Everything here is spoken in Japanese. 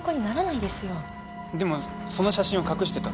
でもその写真を隠してた。